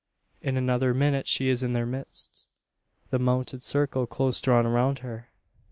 In another minute she is in their midst the mounted circle close drawn around her.